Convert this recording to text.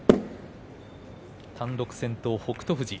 単独先頭、北勝富士。